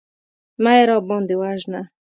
مه يې راباندې وژنه.